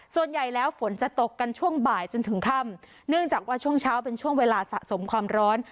ส่วนใหญ่แล้วฝนจะตกกันช่วงบ่ายจนถึงค่ำเนื่องจากว่าช่วงเช้าเป็นช่วงเวลาสะสมความร้อน